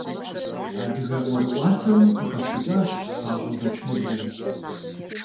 Адыгэ ӀуэрыӀуатэм къыхэхъукӀащ ПащӀэ Бэчмырзэ.